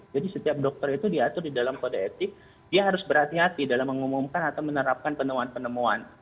jadi setiap dokter itu diatur di dalam kode etik dia harus berhati hati dalam mengumumkan atau menerapkan penemuan penemuan